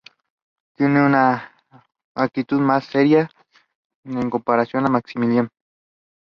He was also known as Muhammad ibn Yusuf.